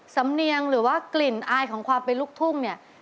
สำเนียงหรือว่ากลิ่นอายของความเป็นลูกทุ่งเนี่ย